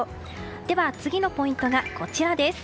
では、次のポイントはこちら。